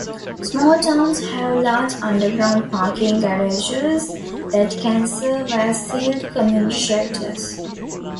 Small towns have large underground parking garages that can serve as sealed community shelters.